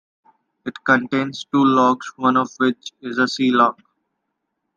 It contains two locks one of which is a sea lock.